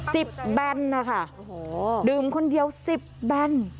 สิบแบนนะคะดื่มคนเดียวสิบแบน